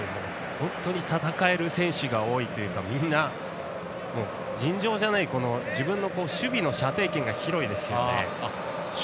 本当に戦える選手が多いというかみんな尋常じゃない自分の守備の射程圏が広いですね。